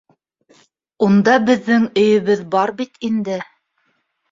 Унда үҙебеҙҙең өйөбөҙ бар бит инде.